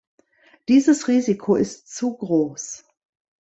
Dieses Risiko ist zu groß.